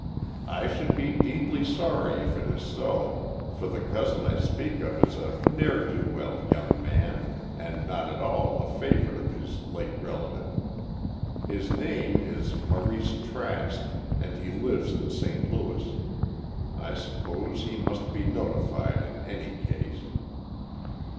"I should be deeply sorry, if it is so, for the cousin I speak of is a ne'er do well young man, and not at all a favorite of his late relative. His name is Maurice Trask and he lives in St. Louis. I suppose he must be notified in any case."